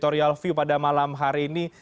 terima kasih banyak mas revo